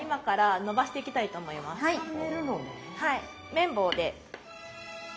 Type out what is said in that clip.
麺棒で。